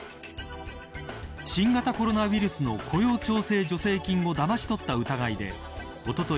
新型コロナウイルスの雇用調整助成金をだまし取った疑いでおととい